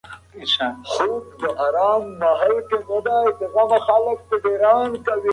د ټولنپوهني نظريې د وخت په تیریدو کې بدلیږي.